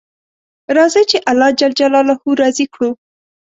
راځئ چې الله جل جلاله راضي کړو